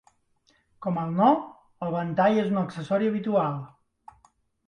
Com al Noh, el ventall és un accessori habitual.